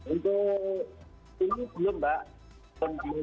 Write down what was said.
itu ini belum mbak